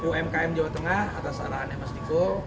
umkm jawa tengah atas arahannya mas niko